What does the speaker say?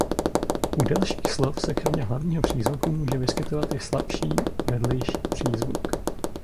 U delších slov se kromě hlavního přízvuku může vyskytovat i slabší vedlejší přízvuk.